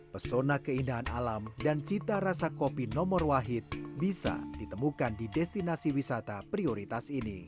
pesona keindahan alam dan cita rasa kopi nomor wahid bisa ditemukan di destinasi wisata prioritas ini